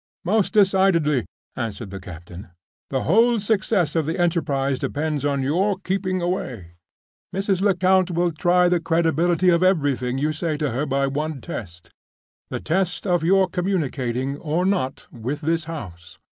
"Most decidedly!" answered the captain. "The whole success of the enterprise depends on your keeping away. Mrs. Lecount will try the credibility of everything you say to her by one test—the test of your communicating, or not, with this house.